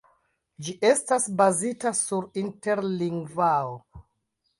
Ĝi estas bazita sur Interlingvao.